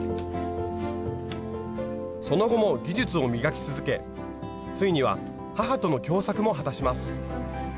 その後も技術を磨き続けついには母との共作も果たします。